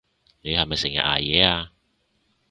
你係咪成日捱夜啊？